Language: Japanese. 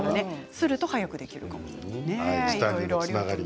すると早くできるかもしれません。